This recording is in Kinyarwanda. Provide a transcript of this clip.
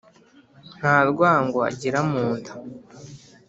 nta rwango agira mu nda